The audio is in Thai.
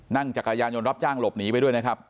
จักรยานยนต์รับจ้างหลบหนีไปด้วยนะครับ